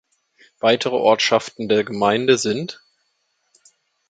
Weitere Ortschaften der Gemeinde sind